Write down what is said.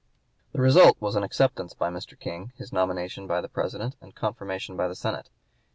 The result was an acceptance by Mr. King, his nomination by the President, and confirmation by the Senate.